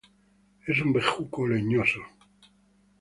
Es un bejuco leñosos.